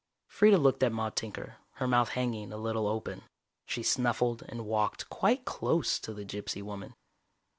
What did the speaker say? Freeda looked at Maude Tinker, her mouth hanging a little open. She snuffled and walked quite close to the gypsy woman.